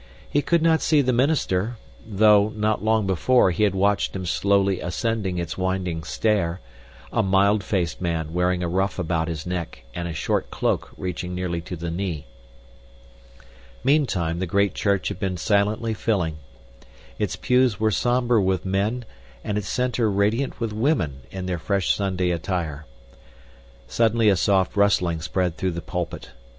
He could not see the minister though, not long before, he had watched him slowly ascending its winding stair a mild faced man wearing a ruff about his neck and a short cloak reaching nearly to the knee. Meantime the great church had been silently filling. Its pews were somber with men and its center radiant with women in their fresh Sunday attire. Suddenly a soft rustling spread through the pulpit.